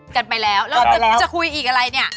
กันไปแล้วแล้วจะคุยอีกอะไรเนี่ย